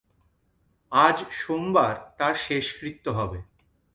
আজ সোমবার তাঁর শেষকৃত্য হবে।